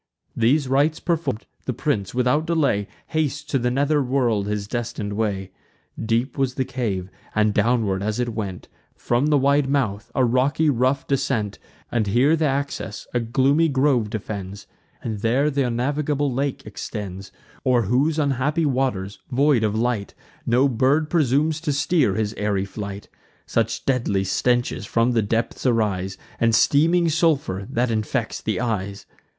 These rites perform'd, the prince, without delay, Hastes to the nether world his destin'd way. Deep was the cave; and, downward as it went From the wide mouth, a rocky rough descent; And here th' access a gloomy grove defends, And there th' unnavigable lake extends, O'er whose unhappy waters, void of light, No bird presumes to steer his airy flight; Such deadly stenches from the depths arise, And steaming sulphur, that infects the skies.